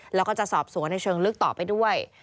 แล้วก็จะสอบสวนในเชิงลึกต่อไปด้วย